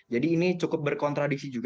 jadi ini cukup berkontradiksi juga